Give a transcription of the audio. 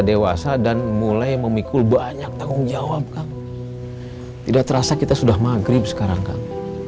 dewasa dan mulai memikul banyak tanggung jawab kang tidak terasa kita sudah maghrib sekarang kang